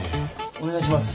お願いします。